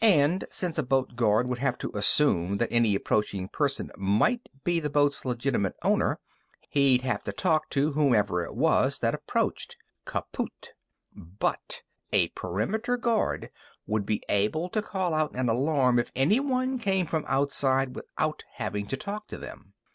And since a boat guard would have to assume that any approaching person might be the boat's legitimate owner, he'd have to talk to whomever it was that approached. Kaput. But a perimeter guard would be able to call out an alarm if anyone came from the outside without having to talk to them.